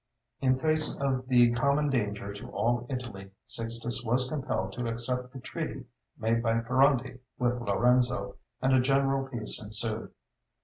In face of the common danger to all Italy, Sixtus was compelled to accept the treaty made by Ferrante with Lorenzo, and a general peace ensued.